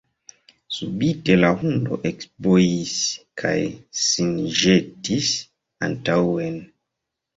Subite la hundo ekbojis kaj sin ĵetis antaŭen.